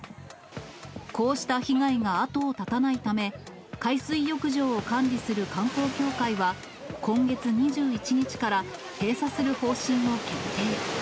こうした被害が後を絶たないため、海水浴場を管理する観光協会は、今月２１日から閉鎖する方針を決定。